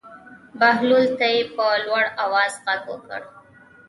بهلول ته یې په لوړ آواز غږ وکړ.